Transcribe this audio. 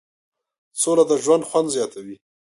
سوله د ژوند خوند زیاتوي.